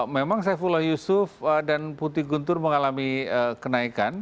memang saifullah yusuf dan putih guntur mengalami kenaikan